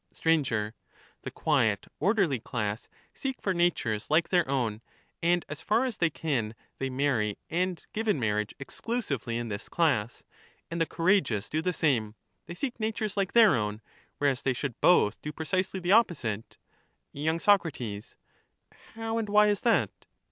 Sir, The quiet orderly class seek for natures like their Uke should own, and as far as they can they marry and give in marriage ^^^^^ exclusively in this class, and the courageous do the same ; or courage they seek natures like their own, whereas they should both ^"^^,.,,. generate do precisely the opposite. into mad Y. Soc. How and why is that